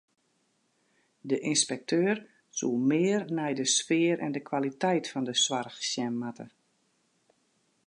De ynspekteur soe mear nei de sfear en kwaliteit fan de soarch sjen moatte.